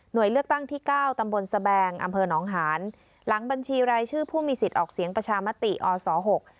โดยเลือกตั้งที่เก้าตำบลสแบงอำเภอหนองหานหลังบัญชีรายชื่อผู้มีสิทธิ์ออกเสียงประชามติอศหก